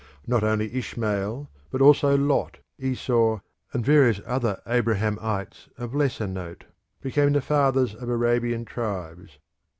Not only Ishmael, but also Lot, Esau, and various Abrahamites of lesser note became the fathers of Arabian tribes.